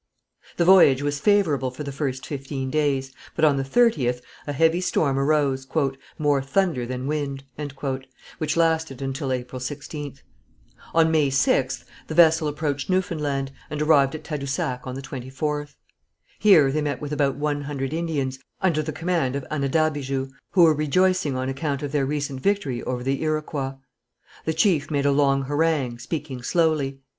The voyage was favourable for the first fifteen days, but on the 30th a heavy storm arose, "more thunder than wind," which lasted until April 16th. On May 6th the vessel approached Newfoundland, and arrived at Tadousac on the 24th. Here they met with about one hundred Indians, under the command of Anadabijou, who were rejoicing on account of their recent victory over the Iroquois. The chief made a long harangue, speaking slowly.